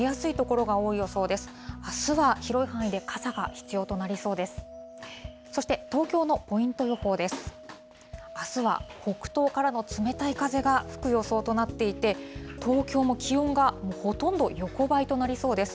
あすは北東からの冷たい風が吹く予想となっていて、東京も気温がほとんど横ばいとなりそうです。